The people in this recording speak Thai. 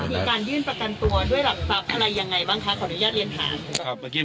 นี้ครับผม